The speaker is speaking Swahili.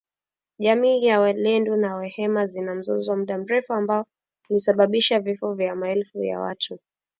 Jamii za walendu na wahema zina mzozo wa muda mrefu ambao ulisababisha vifo vya maelfu ya watu .